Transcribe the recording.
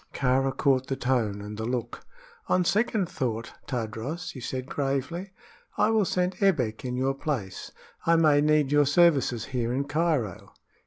Kāra caught the tone and the look. "On second thought, Tadros," he said, gravely, "I will send Ebbek in your place. I may need your services here in Cairo."